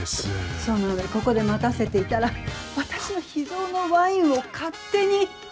その上ここで待たせていたら私の秘蔵のワインを勝手に。